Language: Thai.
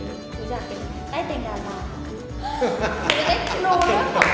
หนูจะเป็นใต้เตงดาวน์บ้าน